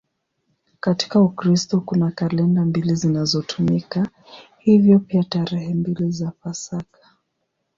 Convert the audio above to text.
Katika Ukristo kuna kalenda mbili zinazotumika, hivyo pia tarehe mbili za Pasaka.